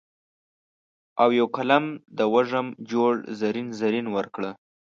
او یو قلم د وږم جوړ زرین، زرین ورکړه